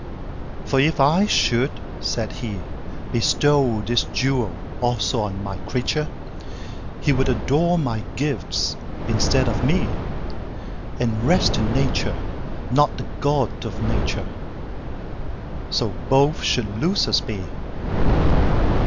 For if I should (said He)Bestow this jewel also on My creature, He would adore My gifts instead of Me, And rest in Nature, not the God of Nature:So both should losers be.